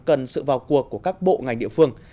cần sự vào cuộc của các bộ ngành địa phương